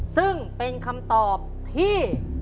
ซึ่งเป็นคำตอบที่